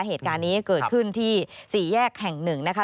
เหตุการณ์นี้เกิดขึ้นที่สี่แยกแห่งหนึ่งนะคะ